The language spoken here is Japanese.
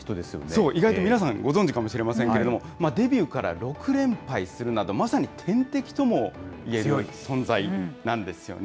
そう、意外と皆さんご存じかもしれませんけれども、デビューから６連敗するなど、まさに天敵ともいえる存在なんですよね。